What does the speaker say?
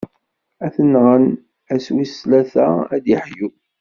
Ad t-nɣen, ass wis tlata, ad d-iḥyu.